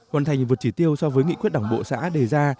hoàn thành vượt chỉ tiêu so với nghị quyết đảng bộ xã đề ra